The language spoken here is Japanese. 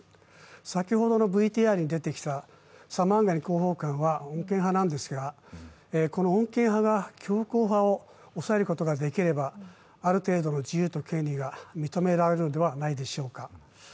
先ほどのＶＴＲに出てきたサマンガニ広報官は穏健派なんですが、この穏健派が強硬派を抑えることができればある程度の自由と権利が認められるのではないでしょうか。